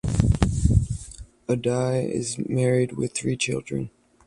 Addai is married with three children.